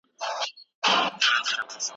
پلار زوی ته ساعت ورکړی دی.